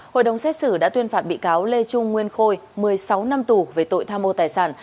hội đồng xét xử đã tuyên phạt bị cáo lê trung nguyên khôi một mươi sáu năm tù về tội tham mô tài sản